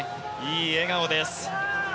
いい笑顔です。